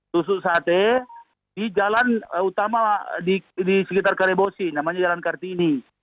tusuk sate di jalan utama di sekitar karebosi namanya jalan kartini